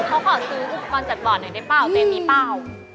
เขาขอซื้ออุปกรรมจัดบอดหนึ่งได้เป้าเต็มมีเป้า